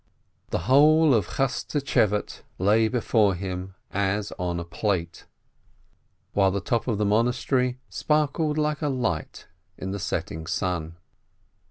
The whole of Chaschtschevate lay before him as on a plate, while the top of the monastery sparkled like a light in the setting sun.